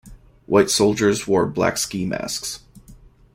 White soldiers wore black ski masks.